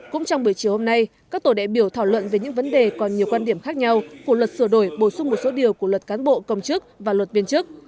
cũng trong buổi chiều hôm nay các tổ đại biểu thảo luận về những vấn đề còn nhiều quan điểm khác nhau của luật sửa đổi bổ sung một số điều của luật cán bộ công chức và luật viên chức